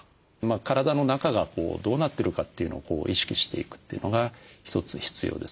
体の中がどうなってるかというのを意識していくというのが一つ必要です。